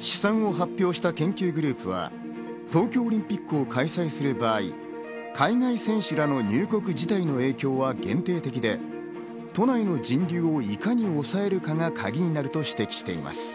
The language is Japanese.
試算を発表した研究グループは東京オリンピックを開催する場合、海外選手らの入国自体の影響は限定的で、都内の人流をいかに抑えるかがカギになると指摘しています。